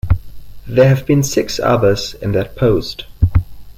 There have been six others in that post.